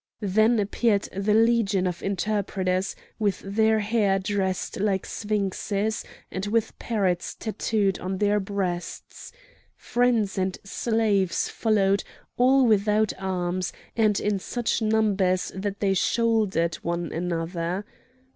Then appeared the legion of interpreters, with their hair dressed like sphinxes, and with parrots tattooed on their breasts. Friends and slaves followed, all without arms, and in such numbers that they shouldered one another.